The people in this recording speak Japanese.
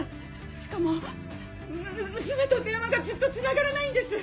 しかも娘と電話がずっとつながらないんです！